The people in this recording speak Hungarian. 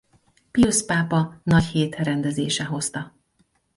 Piusz pápa nagyhét-rendezése hozta.